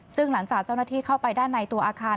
ซึ่งหลังจากเจ้าหน้าที่เข้าไปด้านในตัวอาคาร